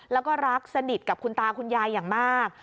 แล้วก็รักสนิทกับคุณตาคุณยายอย่างมาก